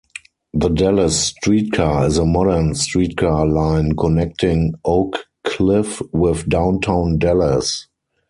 The Dallas Streetcar is a modern-streetcar line connecting Oak Cliff with downtown Dallas.